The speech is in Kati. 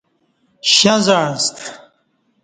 شݩ زعݩستہ